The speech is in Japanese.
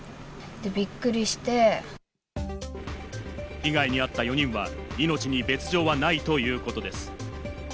被害に遭った４人は命に別条はないということです。